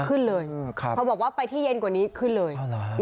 ขึ้นเลยเขาบอกว่าไปที่เย็นกว่านี้ขึ้นเลย